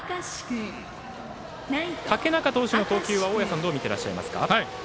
竹中投手の投球は大矢さんどう見てらっしゃいますか？